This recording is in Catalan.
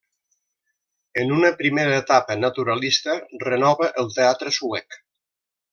En una primera etapa naturalista renova el teatre suec.